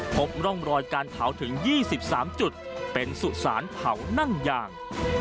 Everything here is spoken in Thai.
พบร่องรอยการเผาถึง๒๓จุดเป็นสุสานเผานั่งยาง